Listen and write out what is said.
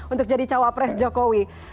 untuk jadi cawapres jokowi